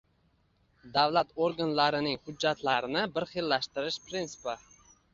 Davlat organlarining hujjatlarini birxillashtirish prinsipi